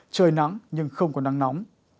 trời nắng nhưng không còn nắng nóng